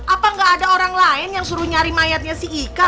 apa nggak ada orang lain yang suruh nyari mayatnya si ika